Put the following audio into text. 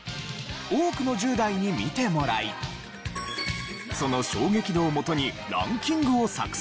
多くの１０代に見てもらいその衝撃度をもとにランキングを作成。